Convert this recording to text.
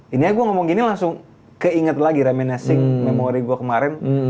ini aku ngomong gini langsung keinget lagi remenessing memori gue kemarin